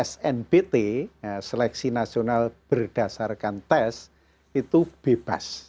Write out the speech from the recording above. snbt seleksi nasional berdasarkan tes itu bebas